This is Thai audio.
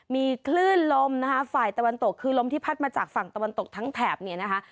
มีคลื่นลมนะคะฝ่ายตะวันตกคือลมที่พัดมาจากฝั่งตะวันตกทั้งแถบเนี่ยนะคะ